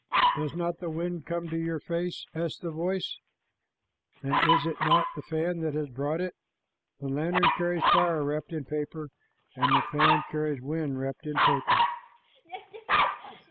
"Does not the wind come to your face?" asked the voice, "and is it not the fan that has brought it? The lantern carries fire wrapped in paper, and the fan carries wind wrapped in paper."